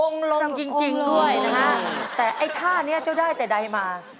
องค์ลงจริงด้วยนะฮะแต่ไอ่ท่านี้ได้แต่ใดมา